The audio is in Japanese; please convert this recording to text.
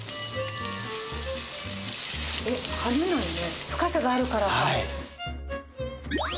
おっ跳ねないね深さがあるから。